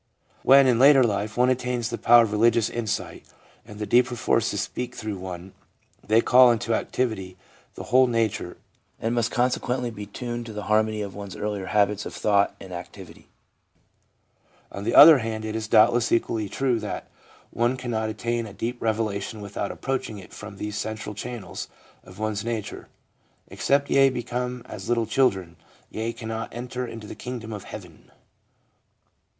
When, in later life, one attains the power of religious insight, and the deeper forces speak through one, they call into activity the whole nature, and must consequently be tuned to the harmony of one's earlier habits of thought and activity. On the other hand, it is doubtless equally true that one cannot attain a deep revelation without approaching it from these central channels of one's nature ;' Except ye become as little children, ye cannot enter into the kingdom of heaven.'